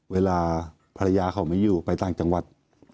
เวลาภรรยาเขาไม่อยู่ไปต่างจังหวัด